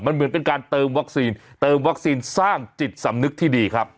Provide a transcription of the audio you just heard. มันเหมือนเป็นการเติมวัคซีนเติมวัคซีนสร้างจิตสำนึกที่ดีครับ